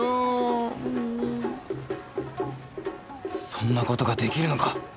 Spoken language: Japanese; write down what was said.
そんな事ができるのか？